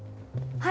はい。